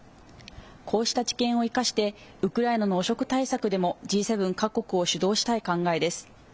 こうした知見を生かしてウクライナの汚職対策でもＧ７各国を主導したい考えです。